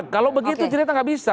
kalau begitu cerita nggak bisa